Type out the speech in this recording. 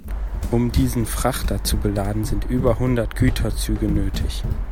Um diesen Frachter zu beladen, sind über hundert Güterzüge nötig.